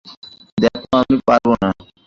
দেখো, আমি পারবো না।